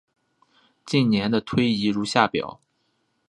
近年的推移如下表。